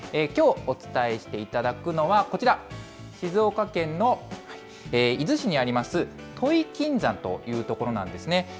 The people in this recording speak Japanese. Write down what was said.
きょうお伝えしていただくのが、こちら、静岡県の伊豆市にあります、土肥金山という所なんですね。